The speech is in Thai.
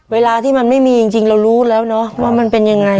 เวลาที่มันไม่มีจริงเรารู้แล้วเนอะว่ามันเป็นยังไง